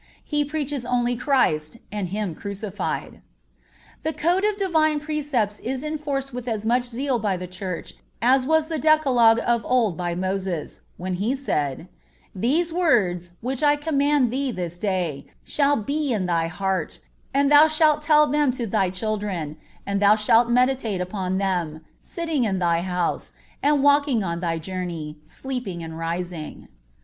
He preaches only "Christ, and Him crucified." This code of Divine precepts is enforced with as much zeal by the Church as was the Decalogue of old by Moses, when he said: "These words, which I command thee this day, shall be in thy heart; and thou shalt tell them to thy children; and thou shalt meditate upon them, sitting in thy house, and walking on thy journey, sleeping and rising."